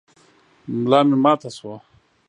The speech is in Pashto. ملا مي ماته شوه .